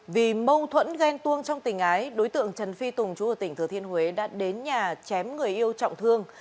vì mâu thuẫn ghen tuông trong tình ái đối tượng trần phi tùng chú ở tỉnh thừa thiên huế đã đến nhà chém người yêu trọng thương